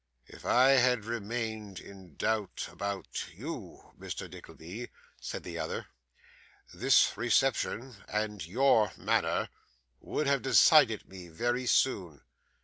'If I had remained in doubt about YOU, Mr. Nickleby,' said the other, 'this reception, and YOUR manner, would have decided me very soon.